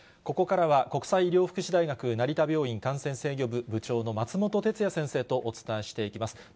ここからは国際医療福祉大学成田病院感染制御部部長の松本哲哉先生とお伝えしていきます。